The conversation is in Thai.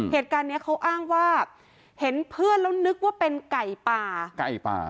เหตุการณ์เนี้ยเขาอ้างว่าเห็นเพื่อนแล้วนึกว่าเป็นไก่ป่าไก่ป่า